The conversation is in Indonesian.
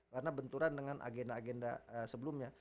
karena benturan dengan agenda agenda sebelumnya